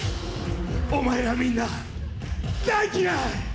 お前らみんな大嫌い！